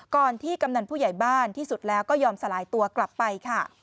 ก่อนที่กำนันผู้ใหญ่บ้านที่สุดแล้วก็ยอมสลายตัวกลับไปค่ะ